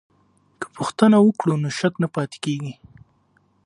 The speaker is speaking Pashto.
که پوښتنه وکړو نو شک نه پاتې کیږي.